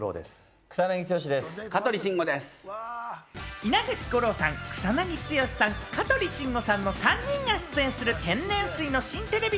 稲垣吾郎さん、草なぎ剛さん、香取慎吾さんの３人が出演する天然水の新テレビ